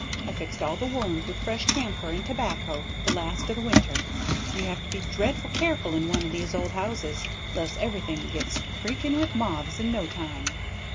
I fixed all the woollens with fresh camphire and tobacco the last o' the winter; you have to be dreadful careful in one o' these old houses, 'less everything gets creaking with moths in no time.